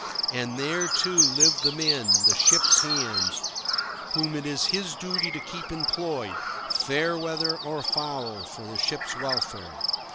And there, too, live the men, the ship's hands, whom it is his duty to keep employed, fair weather or foul, for the ship's welfare.